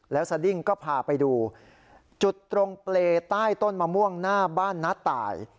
แล้วสดิ้งก็พาไปดูจุดตรงเปรย์ใต้ต้นมะม่วงหน้าบ้านน้าตาย